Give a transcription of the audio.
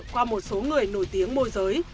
có một số người nổi tiếng môi giới